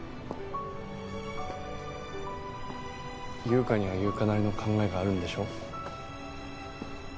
優香には優香なりの考えがあるんでしょ？